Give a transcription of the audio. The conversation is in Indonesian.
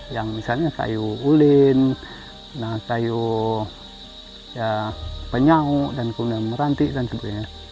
yang misalnya kayu ulin kayu penyau dan kemudian meranti dan sebagainya